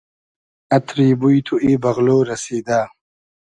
کی اتری بوی تو ای بئغلۉ رئسیدۂ